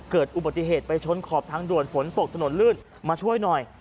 เกิดอุบัติเหตุไปชนขอบทางด่วนฝนตกถนนลื่นมาช่วยหน่อย